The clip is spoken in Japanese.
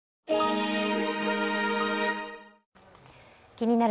「気になる！